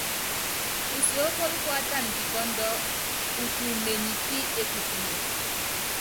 Usiókóló kuátana pikɔ́ndɔ́, utumenyi pí ékupíne.